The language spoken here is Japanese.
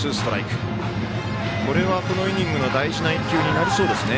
これは、このイニングの大事な１球になりそうですね。